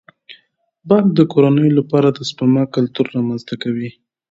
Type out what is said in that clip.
بانک د کورنیو لپاره د سپما کلتور رامنځته کوي.